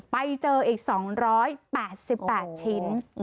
ไปเจออีก๒๘๘ชิ้น